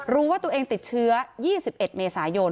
รู้ว่าตัวเองติดเชื้อ๒๑เมษายน